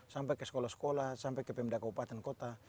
sampai ke sekolah sekolah sampai ke pembedakan upah dan kota